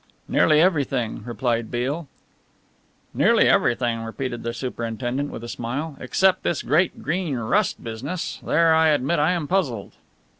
"Nearly everything," replied Beale. "Nearly everything," repeated the superintendent with a smile, "except this great Green Rust business. There I admit I am puzzled."